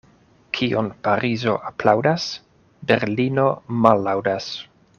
Kion Parizo aplaŭdas, Berlino mallaŭdas.